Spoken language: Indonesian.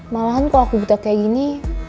malahan kalau aku buta kayak gini